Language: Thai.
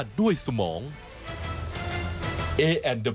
ชูเว็ตตีแสงหน้า